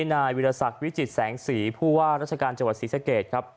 นายวิทยาศักดิ์วิจิตแสงสีผู้ว่าราชการจังหวัดศรีสะเกตครับ